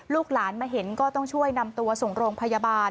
ลูกหลานมาเห็นก็ต้องช่วยนำตัวส่งโรงพยาบาล